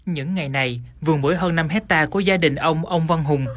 những ngày này vườn mũi hơn năm hecta của gia đình ông ông văn hùng